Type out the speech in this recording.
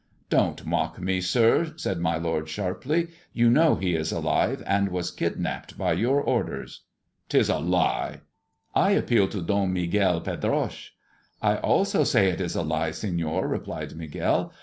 "Don't mock me, sir," said my lord sharply. "You know he is alive, and was kidnapped by your orders." " 'Tis a lie !"" I appeal to Don Miguel Pedroche !" "I also say it is a lie, Senor," replied Miguel.